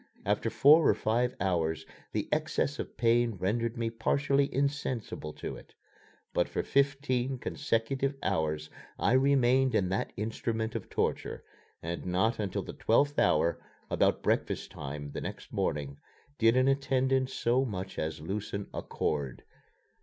After four or five hours the excess of pain rendered me partially insensible to it. But for fifteen consecutive hours I remained in that instrument of torture; and not until the twelfth hour, about breakfast time the next morning, did an attendant so much as loosen a cord.